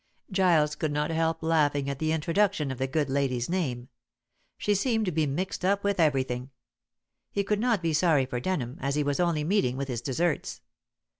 Giles could not help laughing at the introduction of the good lady's name. She seemed to be mixed up with everything. He could not be sorry for Denham, as he was only meeting with his deserts.